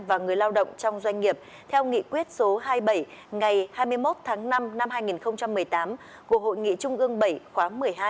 và người lao động trong doanh nghiệp theo nghị quyết số hai mươi bảy ngày hai mươi một tháng năm năm hai nghìn một mươi tám của hội nghị trung ương bảy khóa một mươi hai